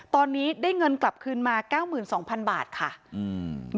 ตอนนี้ได้เงินกลับคืนมาเงิน๙๒๐๐๐บาทค่ะอืม